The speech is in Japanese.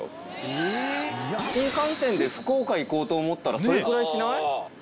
新幹線で福岡行こうと思ったらそれくらいしない？